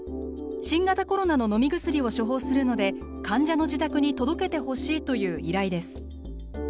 新型コロナの飲み薬を処方するので患者の自宅に届けてほしいという依頼です。